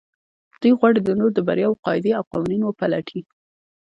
دوی غواړي د نورو د برياوو قاعدې او قوانين وپلټي.